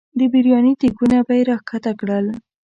د بریاني دیګونه به یې را ښکته کړل.